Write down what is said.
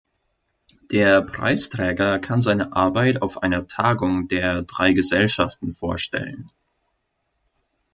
Der Preisträger kann seine Arbeit auf einer Tagung der drei Gesellschaften vorstellen.